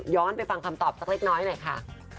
ไปฟังคำตอบสักเล็กน้อยหน่อยค่ะ